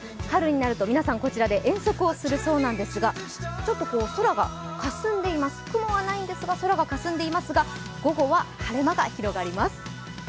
春になると皆さん、こちらで遠足をするようですがちょっと空がかすんでいます、雲はないんですが、空がかすんでいますが、午後は晴れ間が広がります。